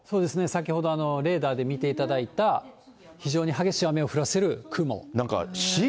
先ほどレーダーで見ていただいた、非常に激しい雨を降らせる雲。